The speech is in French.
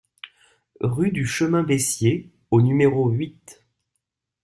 Rue du Chemin Bessier au numéro huit